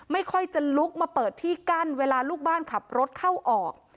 ไม่ค่อยจะลุกมาเปิดที่กั้นเวลาลูกบ้านขับรถเข้าออก